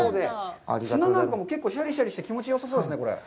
砂なんかも、結構、シャリシャリして、気持ちよさそうですね。